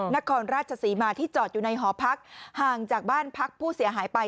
นครราชศรีมาที่จอดอยู่ในหอพักห่างจากบ้านพักผู้เสียหายไป